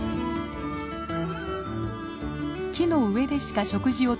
木の上でしか食事をとらない